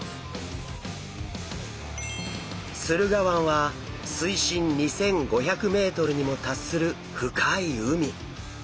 駿河湾は水深２，５００ｍにも達する深い海。